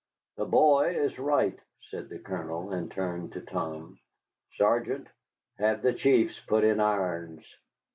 "The boy is right," said the Colonel, and turned to Tom. "Sergeant, have the chiefs put in irons."